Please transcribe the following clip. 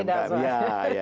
harganya beda soalnya